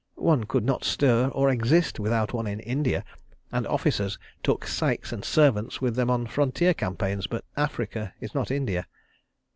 One could not stir, or exist, without one in India, and officers took syces and servants with them on frontier campaigns—but Africa is not India.